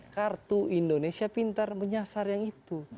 kartu indonesia pintar menyasar yang itu